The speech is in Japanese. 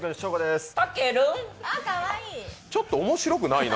ちょっと面白くないな。